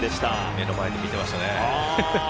目の前で見ていましたね。